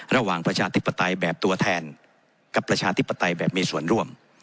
ประชาธิปไตยแบบตัวแทนกับประชาธิปไตยแบบมีส่วนร่วม